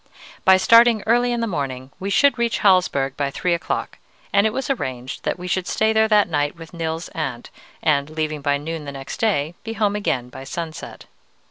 By starting early in the morning we should reach Hallsberg by three o'clock, and it was arranged that we should stay there that night with Nils's aunt, and, leaving by noon the next day, be home again by sunset.